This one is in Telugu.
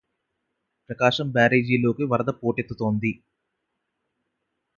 ప్రకాశం బ్యారేజిలోకి వరద పోటెత్తుతోంది